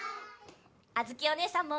あづきおねえさんも！